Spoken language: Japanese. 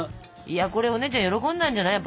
いやこれお姉ちゃん喜んだんじゃない。